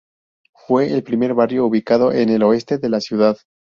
Fue el primer barrio ubicado en el oeste de la ciudad.